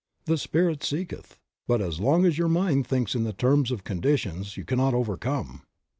'The Spirit seeketh," but as long as your mind thinks in the terms of conditions you cannot overcome.